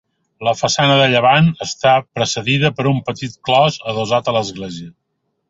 La façana de llevant està precedida per un petit clos adossat a l'església.